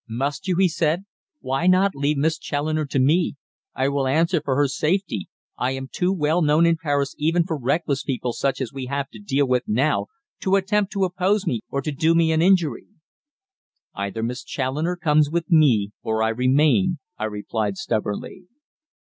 "Must you?" he said. "Why not leave Miss Challoner to me? I will answer for her safety. I am too well known in Paris even for reckless people such as we have to deal with now to attempt to oppose me or to do me an injury." "Either Miss Challoner comes with me, or I remain," I replied stubbornly.